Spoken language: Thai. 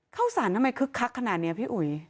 เข้าสารทำไมคึกคักขนาดนี้พี่อุ๋ย